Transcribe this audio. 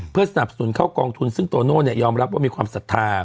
เพื่อสนับสนุนเข้ากองทุนซึ่งโตโน่ยอมรับว่ามีความศรัทธา